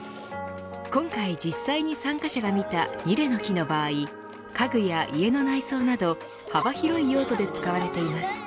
今回実際に参加者が見たニレの木の場合家具や家の内装など幅広い用途で使われています。